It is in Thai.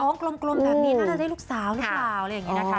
กลมแบบนี้น่าจะได้ลูกสาวหรือเปล่าอะไรอย่างนี้นะคะ